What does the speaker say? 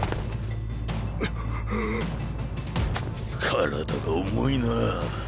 体が重いなあ